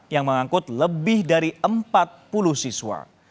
yang mengangkut lebih dari empat puluh siswa